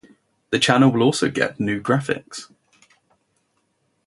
The channel will also get new graphics.